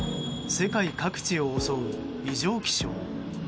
世界各地を襲う異常気象。